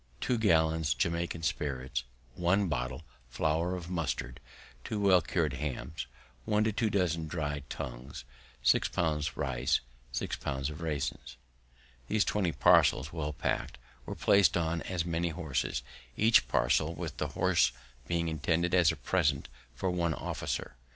2 gallons Jamaica spirits. 1 bottle flour of mustard. 2 well cur'd hams. 1 2 dozen dry'd tongues. 6 lbs. rice. 6 lbs. raisins. These twenty parcels, well pack'd, were placed on as many horses, each parcel, with the horse, being intended as a present for one officer.